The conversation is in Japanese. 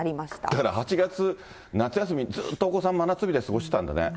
だから８月、夏休み、ずーっとお子さん、真夏日で過ごしてたんだね。